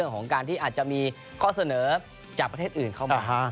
ของการที่อาจจะมีข้อเสนอจากประเทศอื่นเข้ามา